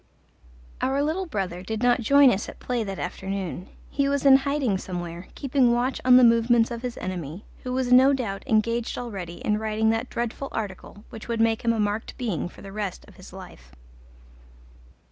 Our little brother did not join us at play that afternoon: he was in hiding somewhere, keeping watch on the movements of his enemy, who was no doubt engaged already in writing that dreadful article which would make him a marked being for the rest of his life.